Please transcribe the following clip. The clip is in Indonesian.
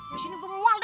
disini gue mau mual dah